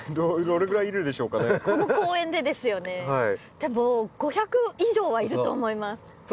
でも５００以上はいると思います。